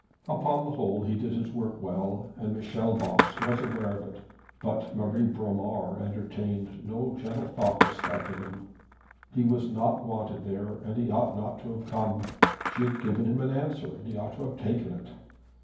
Upon the whole he did his work well, and Michel Voss was aware of it; but Marie Bromar entertained no gentle thought respecting him. He was not wanted there, and he ought not to have come. She had given him an answer, and he ought to have taken it.